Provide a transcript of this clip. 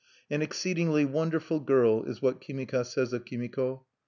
"An exceedingly wonderful girl," is what Kimika says of Kimiko.